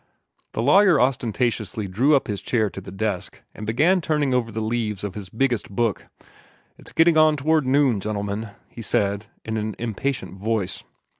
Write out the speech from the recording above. The lawyer ostentatiously drew up his chair to the desk, and began turning over the leaves of his biggest book. "It's getting on toward noon, gentlemen," he said, in an impatient voice.